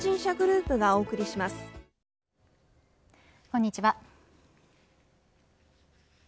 こんにちは。